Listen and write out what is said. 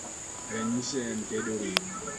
Ranyisi en tedo ring'o: